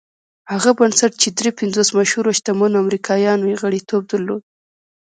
هغه بنسټ چې دري پنځوس مشهورو شتمنو امريکايانو يې غړيتوب درلود.